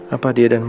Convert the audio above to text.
apa dia dan mama